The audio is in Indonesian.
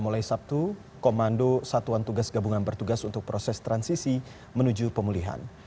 mulai sabtu komando satuan tugas gabungan bertugas untuk proses transisi menuju pemulihan